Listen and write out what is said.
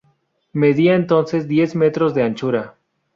Medía entonces diez metros de anchura.